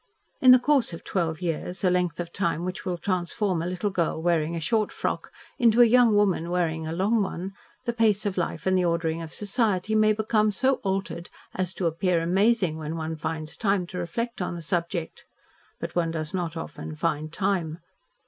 In the course of twelve years, a length of time which will transform a little girl wearing a short frock into a young woman wearing a long one, the pace of life and the ordering of society may become so altered as to appear amazing when one finds time to reflect on the subject. But one does not often find time.